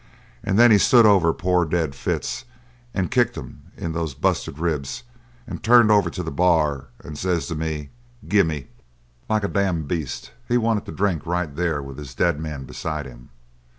And then he stood over poor dead Fitz and kicked him in those busted ribs and turned over to the bar and says to me: 'Gimme!' "Like a damned beast! He wanted to drink right there with his dead man beside him.